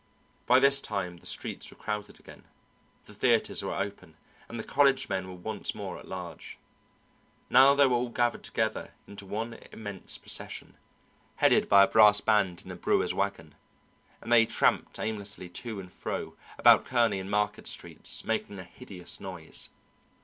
By this time the streets were crowded again, the theatres were over, and the college men were once more at large. Now they were all gathered together into one immense procession, headed by a brass band in a brewer's wagon, and they tramped aimlessly to and fro about Kearney and Market streets, making a hideous noise.